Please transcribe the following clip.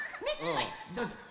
はいどうぞ。